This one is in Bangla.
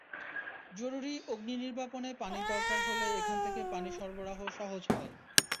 জরুরি অগ্নিনির্বাপণে পানির দরকার হলে এখান থেকে পানি সরবরাহ সহজ হয়।